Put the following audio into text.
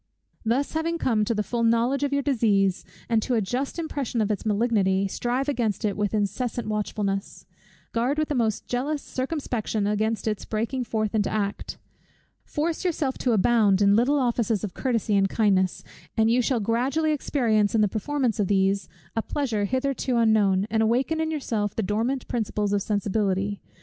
Thus having come to the full knowledge of your disease, and to a just impression of its malignity, strive against it with incessant watchfulness. Guard with the most jealous circumspection against its breaking forth into act. Force yourself to abound in little offices of courtesy and kindness; and you shall gradually experience in the performance of these a pleasure hitherto unknown, and awaken in yourself the dormant principles of sensibility.